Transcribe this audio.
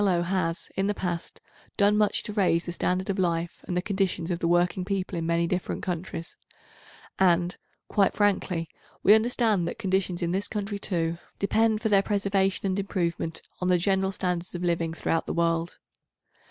L.O. has, in the past, done much to raise the standard of life and the conditions of the working people in many different countries, and, quite frankly, we understand that conditions in this country, too, depend for their preservation and improvement on the general standards of living throughout the world.